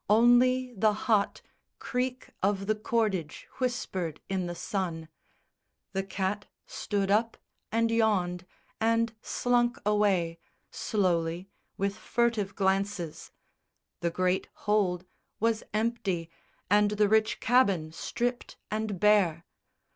Only the hot Creak of the cordage whispered in the sun. The cat stood up and yawned, and slunk away Slowly, with furtive glances. The great hold Was empty, and the rich cabin stripped and bare.